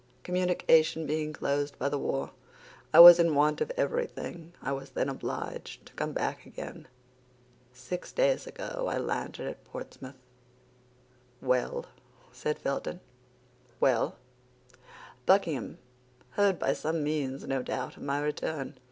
Communication being closed by the war, I was in want of everything. I was then obliged to come back again. Six days ago, I landed at Portsmouth." "Well?" said Felton. "Well; Buckingham heard by some means, no doubt, of my return.